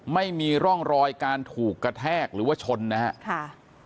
ไม่มีร่องรอยการถูกกระแทกหรือว่าชนนะครับ